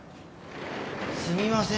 すみません。